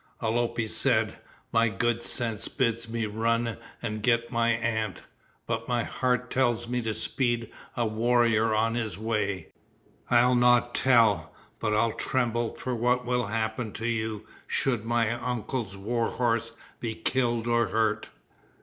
Alope said, "My good sense bids me run and get my aunt, but my heart tells me to speed a warrior on his way. I'll not tell, but I'll tremble for what will happen to you should my uncle's war horse be killed or hurt."